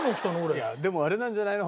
いやでもあれなんじゃないの？